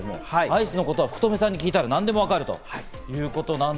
アイスのことは福留さんに聞いたら何でもわかるという。